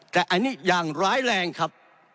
แต่อันนี้อย่างร้ายแรงครับ